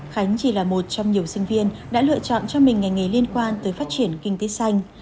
khánh chỉ là một trong nhiều sinh viên đã lựa chọn cho mình ngành nghề liên quan tới phát triển kinh tế xanh